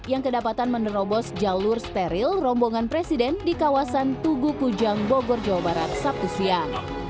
yang kedapatan menerobos jalur steril rombongan presiden di kawasan tugu kujang bogor jawa barat sabtu siang